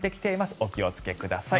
お気をつけください。